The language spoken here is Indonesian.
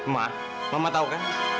ma mama tahu kan